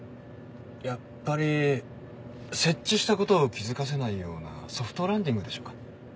やっぱり接地したことを気付かせないようなソフトランディングでしょうか。